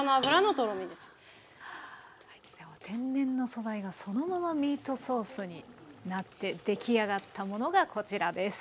天然の素材がそのままミートソースになって出来上がったものがこちらです。